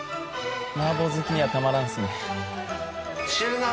マーボー好きにはたまらんっすね。